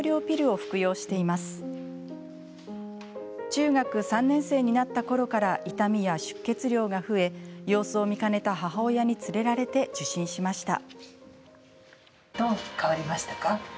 中学３年生になったころから痛みや出血量が増え様子を見かねた母親に連れられて受診しました。